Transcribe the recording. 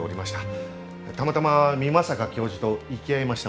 たまたま美作教授と行き合いましたもので。